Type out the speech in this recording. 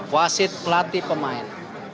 wasit pelatih pemain